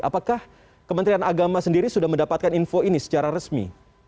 apakah kementerian agama sendiri sudah mendapatkan info ini secara resmi